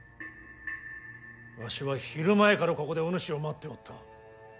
わしは昼前からここでおぬしを待っておった。